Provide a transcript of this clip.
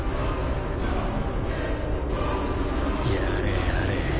やれやれ。